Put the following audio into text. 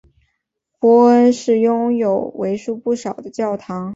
波恩市拥有为数不少的教堂。